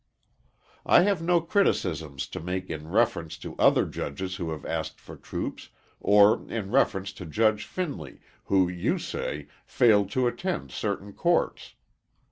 I have no criticisms to make in reference to other judges who have asked for troops, or in reference to Judge Finley, who, you say, failed to attend certain courts.